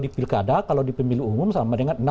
di pilkada kalau di pemilu umum sama dengan